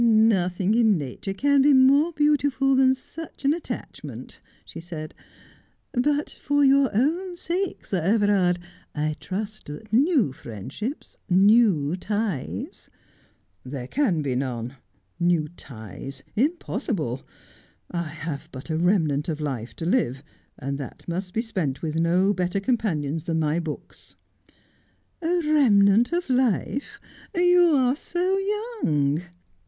' Nothing in nature can be more beautiful than such an attach ment/ she said. ' But for your own sake, dear Sir Everard, I trust that new friendships — new ties —' 'There can be none. New ties — impossible. I have but a remnant of life to live, and that must be spent with no better companions than my books.' ' A remnant of life ; you are so young.'